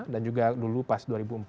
dan juga dulu pas dua ribu empat belas